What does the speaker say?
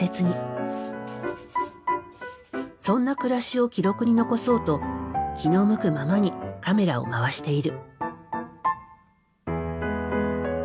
そんな暮らしを記録に残そうと気の向くままにカメラを回している。